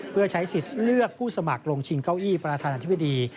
เพื่อใช้สิทธิ์เลือกผู้สมัครลงชิงเก้าอี้ประธานาธิบดี